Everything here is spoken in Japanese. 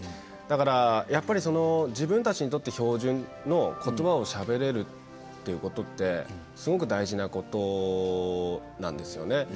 だからやっぱり自分たちにとって標準のことばをしゃべれるということってすごく大事なことなんですよね。